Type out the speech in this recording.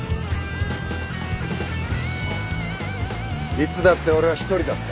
いつだって俺は一人だった。